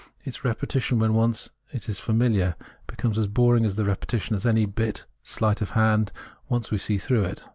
Its repetition, when once it is famihar, becomes as boring as the repe tition of any bit of sleight of hand once we see through it.